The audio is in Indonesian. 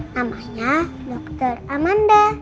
namanya dokter amanda